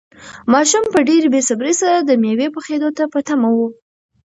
ماشوم په ډېرې بې صبري سره د مېوې پخېدو ته په تمه و.